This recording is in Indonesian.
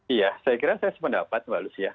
iya saya kira saya sependapat mbak lucia